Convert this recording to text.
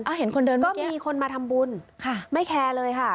อ้าวเห็นคนเดินเมื่อกี้ก็มีคนมาทำบุญไม่แคร์เลยค่ะ